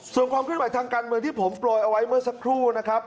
ส่วนความคิดหมายทางการเมื่อที่ผมปล่อยเอาไว้เมื่อสักครู่นะครับ